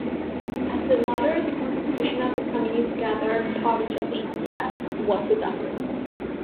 At the latter the Constitution of the Communist Ghadar Party of India was adopted.